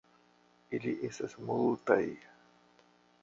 Ili estas multaj.